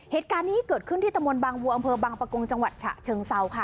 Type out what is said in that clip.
เหตุการณ์นี้เกิดขึ้นที่ตะมนต์บางวัวอำเภอบางประกงจังหวัดฉะเชิงเซาค่ะ